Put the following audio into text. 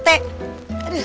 oh ini dia